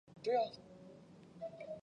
该物种的模式产地在汤加。